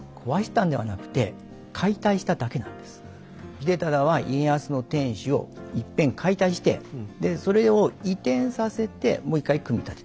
秀忠は家康の天守をいっぺん解体してそれを移転させてもう一回組み立てた。